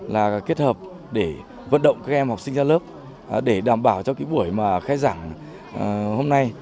là kết hợp để vận động các em học sinh ra lớp để đảm bảo cho cái buổi mà khai giảng hôm nay